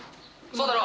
そうだろ？